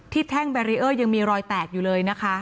แท่งแบรีเออร์ยังมีรอยแตกอยู่เลยนะคะ